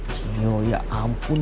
tuh ya ampun